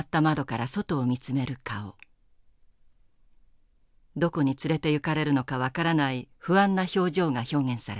どこに連れていかれるのか分からない不安な表情が表現されています。